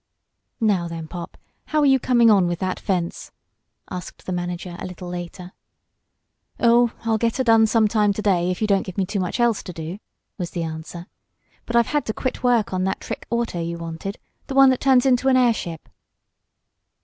"Now, then, Pop, how are you coming on with that fence?" asked the manager a little later. "Oh, I'll get her done some time to day if you don't give me too much else to do," was the answer. "But I've had to quit work on that trick auto you wanted the one that turns into an airship."